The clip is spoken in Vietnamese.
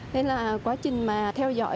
nên là quá trình mà theo dõi